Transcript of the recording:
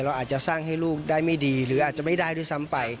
อาจจะสร้างให้ลูกได้ไม่ดีหรืออาจจะไม่ได้ด้วยซ้ำไป